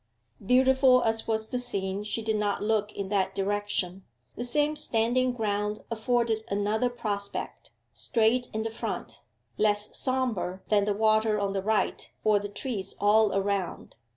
Beautiful as was the scene she did not look in that direction. The same standing ground afforded another prospect, straight in the front, less sombre than the water on the right or the trees all around.